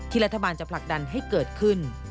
รัฐบาลจะผลักดันให้เกิดขึ้น